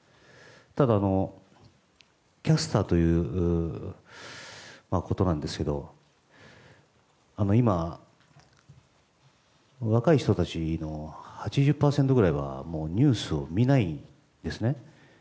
ただ、キャスターということなんですが今、若い人たちの８０％ぐらいはニュースを見ないんですね。